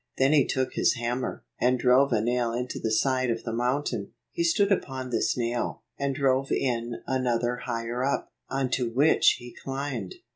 Then he took his hammer, and drove a nail into the side of the mountain. He stood upon this nail, and drove in another higher up, on to which he climbed.